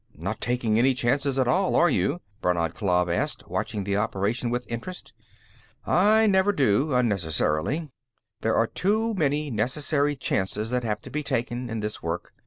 "Not taking any chances at all, are you?" Brannad Klav asked, watching this operation with interest. "I never do, unnecessarily. There are too many necessary chances that have to be taken, in this work."